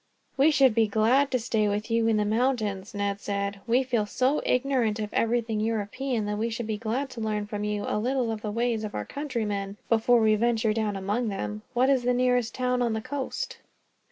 "We should be glad of a stay with you in the mountains," Ned said. "We feel so ignorant of everything European that we should be glad to learn, from you, a little of the ways of our countrymen before we venture down among them. What is the nearest town on the coast?"